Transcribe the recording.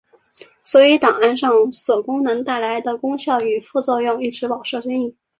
所以档案上锁功能带来的功效与副作用一直饱受争议。